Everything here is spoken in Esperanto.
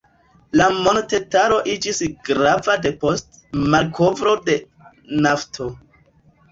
La montetaro iĝis grava depost malkovro de nafto.